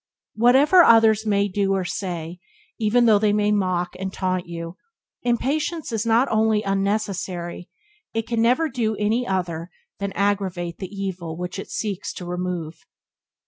Whatever others may do or say, even though they may mock and taunt you, impatience is not only unnecessary, it can never do any other than aggravate the evil which it seeks to remove.